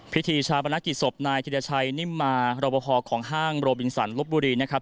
พิธีชาปนกิจศพนายถิดาชัยนิมาเรากว่าพอของห้างรโบราไมน์สันลบบุรีนะครับ